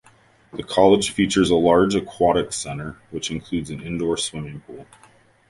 The college features a large aquatics center, which includes an indoor swimming pool.